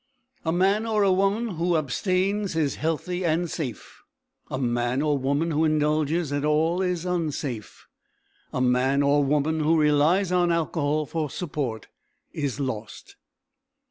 A man or woman who abstains is healthy and safe. A man or woman who indulges at all is unsafe. A man or woman who relies on alcohol for support is lost.